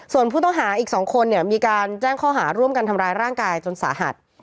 ส่วนผู้ต้องหาอีก๒คนเนี่ยมีการแจ้งข้อหาร่วมกันทำร้ายร่างกายจนสาหัส